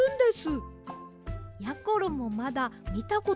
やころもまだみたことがないんですが。